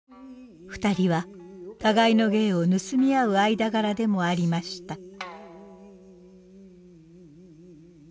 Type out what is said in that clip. ２人は互いの芸を盗み合う間柄でもありました。